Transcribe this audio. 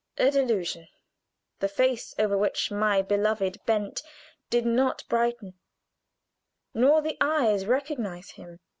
A delusion! The face over which my lover bent did not brighten; nor the eyes recognize him.